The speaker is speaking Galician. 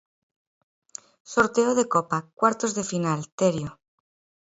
Sorteo de Copa, cuartos de final, Terio.